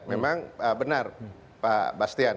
memang benar pak sebastian